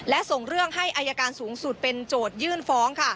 และส่งเรื่องให้อายการสูงสุดเป็นโจทยื่นฟ้อง